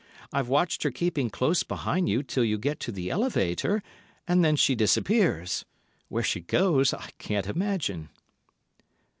I've watched her keeping close behind you till you get to the elevator, and then she disappears. Where she goes I can't imagine."